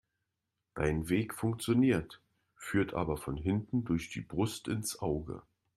Dein Weg funktioniert, führt aber von hinten durch die Brust ins Auge.